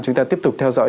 chúng ta tiếp tục theo dõi